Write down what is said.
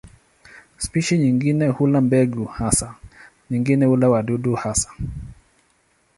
Spishi nyingine hula mbegu hasa, nyingine hula wadudu hasa.